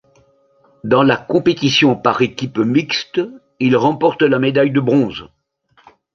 Dans la compétition par équipes mixtes, il remporte la médaille de bronze.